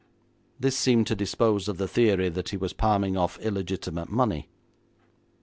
This seemed to dispose of the theory that he was palming off illegitimate money.